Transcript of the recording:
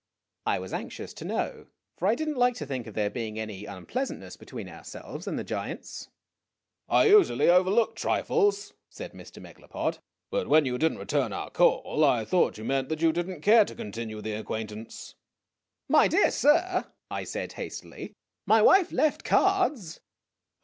I was anxious to know, for I did n't like to think of there being any unpleasantness between ourselves and the giants. "I usually overlook trifles," said Mr. Megalopod; " but when you did n't return our call, I thought you meant that you did n't care to continue the acquaintance !" "My dear sir," I said hastily, ''my wife left cards."